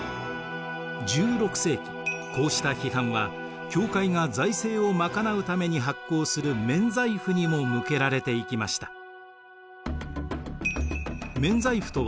１６世紀こうした批判は教会が財政を賄うために発行する免罪符にも向けられていきました。